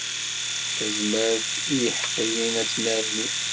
Tazmert n yiḥeqqiyen ad tennerni.